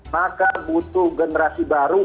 maka butuh generasi baru